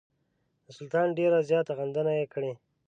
د سلطان ډېره زیاته غندنه یې کړې.